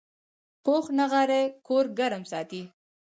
پوخ نغری کور ګرم ساتي